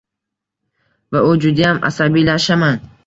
Va u judayam asabiylashaman.